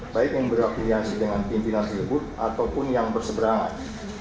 baik yang berafiliasi dengan pimpinan sebut